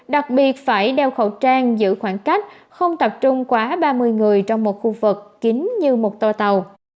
đặc biệt phải đeo khẩu trang giữ khoảng cách không tập trung quá ba mươi người trong một khu vực kính như một toa tàu